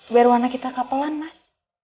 biar warna kita kapelan mas